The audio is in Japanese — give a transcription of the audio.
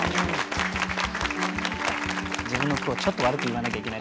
自分の句をちょっと悪く言わなきゃいけないところがね。